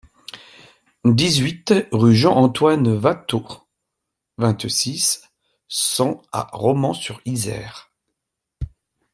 dix-huit rue Jean-Antoine Watteau, vingt-six, cent à Romans-sur-Isère